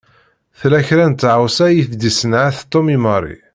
Tella kra n tɣawsa i s-d-isenɛet Tom i Mary.